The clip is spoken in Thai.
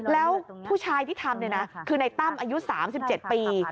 แล้วผู้ชายที่ทำคือในตั้มอายุ๓๗ปี